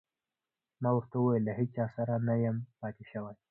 ما ورته وویل: له هیڅ چا سره نه یم پاتې شوی.